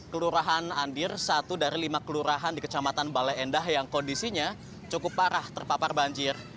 kelurahan andir satu dari lima kelurahan di kecamatan bale endah yang kondisinya cukup parah terpapar banjir